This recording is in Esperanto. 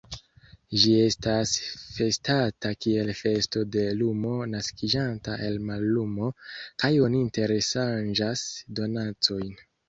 Ĝi estas festata kiel festo de lumo naskiĝanta el mallumo, kaj oni interŝanĝas donacojn.